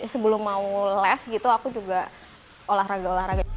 sebelum mau les gitu aku juga olahraga olahraga